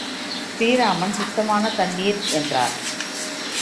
ஸ்ரீ ராமன் சுத்தமான தண்ணீர் என்றார்.